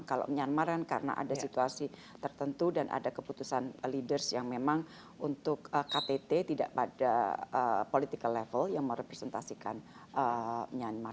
kalau myanmar kan karena ada situasi tertentu dan ada keputusan leaders yang memang untuk ktt tidak pada political level yang merepresentasikan myanmar